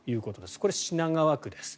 これは品川区です。